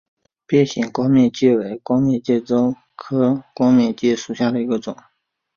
变形光面介为光面介科光面介属下的一个种。